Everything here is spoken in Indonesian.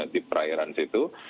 di perairan situ